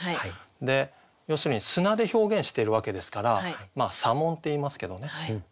で要するに砂で表現してるわけですから砂紋っていいますけどね。